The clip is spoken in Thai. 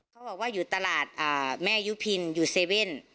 เขาบอกว่าอยู่ตลาดแม่ยุพินอยู่เซเว่น